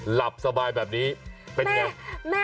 หลับสบายแบบนี้เป็นไง